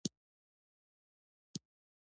ریښتیا ؤوایه چې د تایید لپاره چا ته اړتیا ونه لری